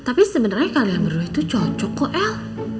tapi sebenernya kalian berdua itu cocok kok el